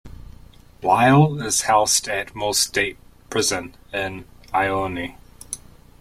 Lyle is housed at Mule Creek State Prison in Ione.